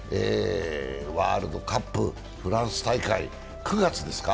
ワールドカップフランス大会、９月ですか。